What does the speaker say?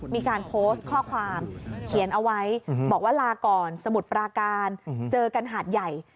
มีการโพสต์ข้อความเขียนเอาไว้บอกว่าลาก่อนสมุทรปราการเจอกันหาดใหญ่